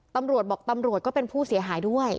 ตำรวจบอกตำรวจก็เป็นผู้เสียหายด้วย